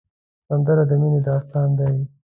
سندره د مینې داستان دی